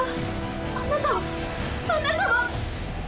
あなたはあなたは。